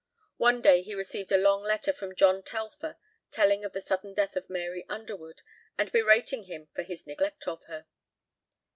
One day he received a long letter from John Telfer telling of the sudden death of Mary Underwood and berating him for his neglect of her.